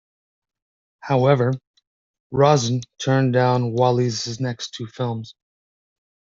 However, Rossen turned down Wallis's next two films.